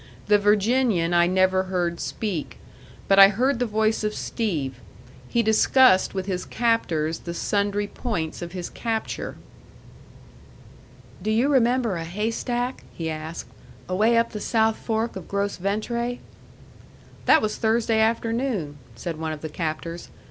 The Virginian I never heard speak. But I heard the voice of Steve; he discussed with his captors the sundry points of his capture. "Do you remember a haystack?" he asked. "Away up the south fork of Gros Ventre?" "That was Thursday afternoon," said one of the captors.